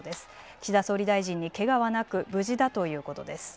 岸田総理大臣にけがはなく無事だということです。